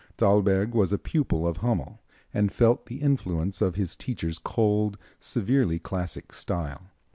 Thalberg was a pupil of Hummel, and felt the influence of his teacher's cold, severely classic style.